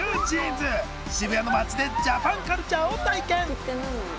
渋谷の街でジャパンカルチャーを体験！